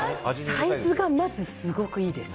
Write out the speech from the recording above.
サイズがまず、すごくいいです。